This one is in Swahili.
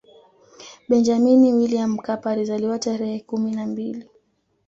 benjamini william mkapa alizaliwa tarehe kumi na mbili